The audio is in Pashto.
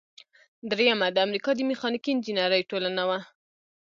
دریمه د امریکا د میخانیکي انجینری ټولنه وه.